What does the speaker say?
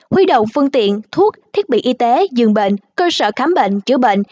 huy động phương tiện thuốc thiết bị y tế dường bệnh cơ sở khám bệnh chữa bệnh